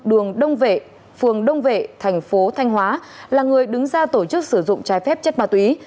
đường đông vệ phường đông vệ thành phố thanh hóa là người đứng ra tổ chức sử dụng trái phép chất ma túy